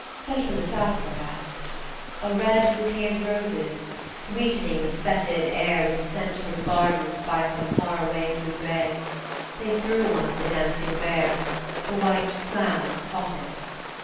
Sent from the south, perhaps a red bouquet Of roses, sweetening the fetid air With scent from gardens by some far away blue bay. They threw one at the dancing bear ; The white clown caught it.